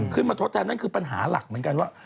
ทดแทนนั่นคือปัญหาหลักเหมือนกันว่า